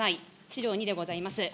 資料２でございます。